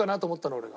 俺が。